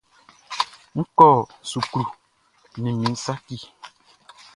N kɔ suklu nin min saci.